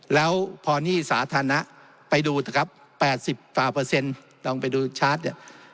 แล้วพอนี่สาธารณะไปดูครับ๘๐ลองไปดูชาร์จเนี่ย